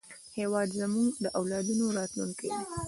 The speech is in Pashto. هېواد زموږ د اولادونو راتلونکی دی